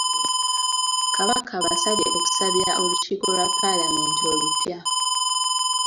Kabaka abasabye okusabira olukiiko lwa Palamenti olupya.